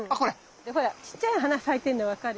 でほらちっちゃい花咲いてんの分かる？